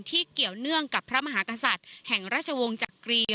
เกี่ยวเนื่องกับพระมหากษัตริย์แห่งราชวงศ์จักรี